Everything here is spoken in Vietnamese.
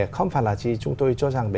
không phải là chỉ chúng tôi cho rằng